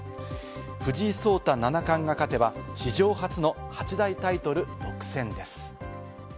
藤井聡太七冠が勝てば史上初の八大タイトル独占です。